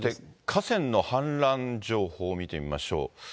そして河川の氾濫情報見てみましょう。